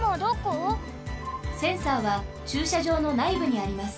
センサーはちゅうしゃじょうのないぶにあります。